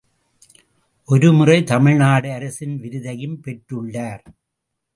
ஒருமுறை தமிழ்நாடு அரசின் விருதையும் பெற்றுள்ளார்.